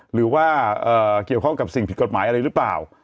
หรือว่าเกี่ยวข้องกับสิ่งผิดกฎหมายอะไรหรือเปล่า